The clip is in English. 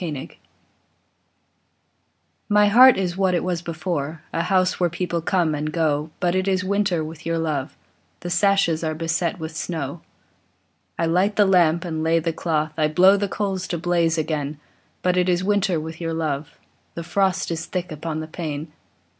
ALMS My heart is what it was before, A house where people come and go; But it is winter with your love, The sashes are beset with snow. I light the lamp and lay the cloth, I blow the coals to blaze again; But it is winter with your love, The frost is thick upon the pane.